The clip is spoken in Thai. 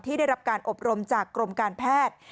ได้รับการอบรมจากกรมการแพทย์